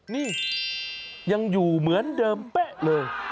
นี่ยังอยู่เหมือนเดิมเป๊ะเลย